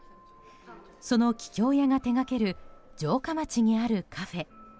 その桔梗屋が手掛ける城下町にあるカフェ。